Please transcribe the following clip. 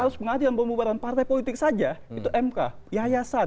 harus pengadilan pembubaran partai politik saja itu mk yayasan